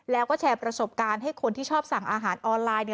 แล้วก็แชร์ประสบการณ์ให้คนที่ชอบสั่งอาหารออนไลน์